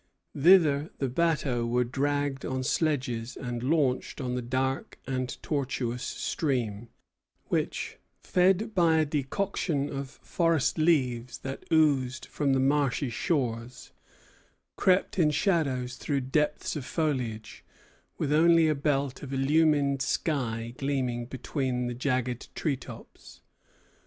Thither the bateaux were dragged on sledges and launched on the dark and tortuous stream, which, fed by a decoction of forest leaves that oozed from the marshy shores, crept in shadow through depths of foliage, with only a belt of illumined sky gleaming between the jagged tree tops.